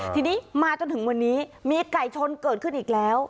ทีนี้มาจนถึงวันนี้มีไก่ชนเกิดขึ้นอีกแล้ว